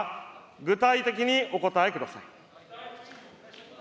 具体的にお答えください。